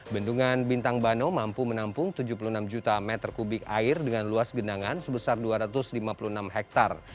bendungan bintang bano mampu menampung tujuh puluh enam juta meter kubik air dengan luas genangan sebesar dua ratus lima puluh enam hektare